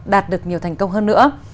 đạt được nhiều thành công hơn nữa